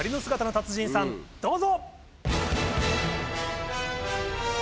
どうぞ！